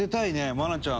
愛菜ちゃん